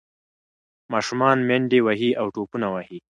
ماشومان منډې وهي او ټوپونه وهي.